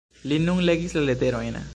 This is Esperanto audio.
Li nun legis la leterojn.